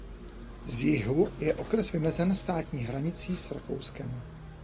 Z jihu je okres vymezen státní hranicí s Rakouskem.